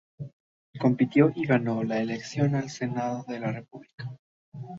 Compitió y ganó la elección al Senado de la república.